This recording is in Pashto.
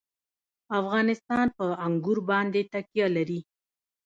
افغانستان په انګور باندې تکیه لري.